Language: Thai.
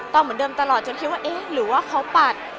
เหมือนเดิมตลอดจนคิดว่าเอ๊ะหรือว่าเขาปัด